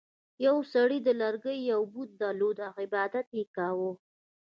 یو سړي د لرګي یو بت درلود او عبادت یې کاوه.